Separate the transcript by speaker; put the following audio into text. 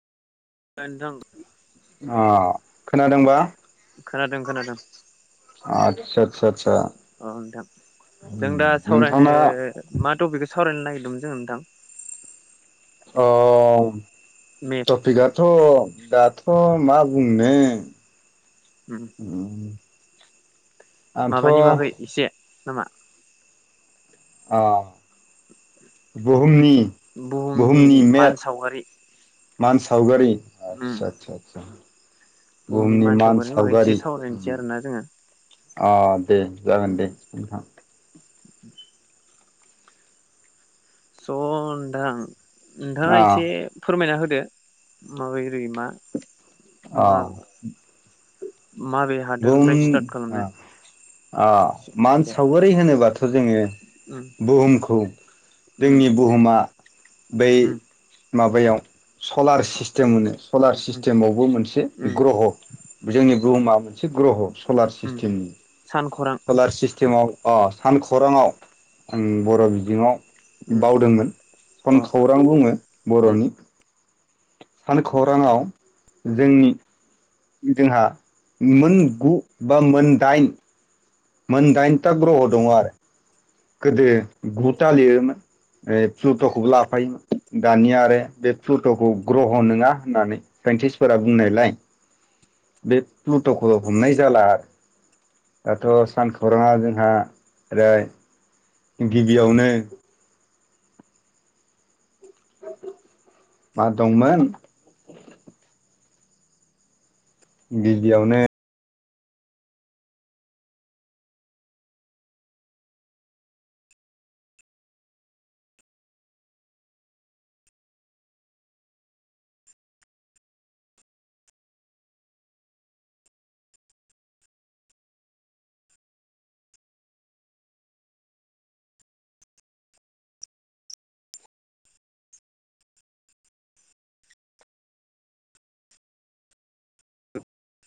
Speaker 1: ओनथां
Speaker 2: अ' खोनादोंबा?
Speaker 1: खोनादों खोनादों
Speaker 2: आदसा आदसा आदसा
Speaker 1: अ' नोंथां जों दा सावरायनो
Speaker 2: नोंथांना
Speaker 1: मा टपिकखौ सावरायनो नागि [unintelligible] ओनथां।
Speaker 2: अ' टपिकआथ' दाथ थ' मा बुंनो। उम
Speaker 1: माबानि बागै इसे नामा?
Speaker 2: अ' बुहुमनि बुहुमनि
Speaker 1: मान
Speaker 2: मेद
Speaker 1: सावगारि
Speaker 2: मान सावगारि
Speaker 1: उम
Speaker 2: आदसा आदसा सा बुहुमनि मान
Speaker 1: सावगारिनि बागै एसे
Speaker 2: सावगारि
Speaker 1: सावरायनोसै आरोना जोङो
Speaker 2: अ' दे जागोन
Speaker 1: उम
Speaker 2: दे नोंथां।
Speaker 1: [inaudible] स' नोंथां
Speaker 2: अ
Speaker 1: नोंथाङा इसे फोरमायना होदो मा बोरै मा?
Speaker 2: अह
Speaker 1: माबे
Speaker 2: बुहुम
Speaker 1: हादोरनिफ्राय स्टार्ट खालामनो
Speaker 2: ओ
Speaker 1: एसे
Speaker 2: मान सावगारि होनोबाथ' जोङो बुहुमखौ जोंनि बुहुमा बै माबायाव सलार सिस टेम होनो सलार सिस्टेमाव बुहुम मोनसे
Speaker 1: दे
Speaker 2: ग्रह जोंनि बुहुमा मोनसे ग्रह' सलार सिस्टेमनि
Speaker 1: सानखरां
Speaker 2: सलार सिस्टेमाव अ सान खौराङाव आं बर'
Speaker 1: अ
Speaker 2: बिजोङाव बावदोंमोन
Speaker 1: उम
Speaker 2: सानखौरां बुङो बर'नि सान खौराङाव जोंनि जोंहा मोन गु बा मोन दाइन मोन दाइनता ग्रह दङ आरो गोदो गु ता लिरोमोन ओ प्लुट'खोबो लाफायोमोन दानिया आरो बे प्लुट'खौ ग्रह नङा होननानै साइन्टिस्टफोरा बुंनायलाय बे प्लुट'खो हमनाय जाला आरो दाथ' सानखौराङा जोंहा ओरै गिबियावनो मा दंमोन गिबियावनो